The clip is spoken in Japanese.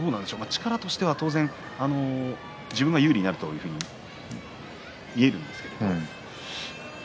力としては当然自分が有利になるというふうに見えるんですけれど。